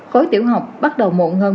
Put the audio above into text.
khối tiểu học bắt đầu muộn hơn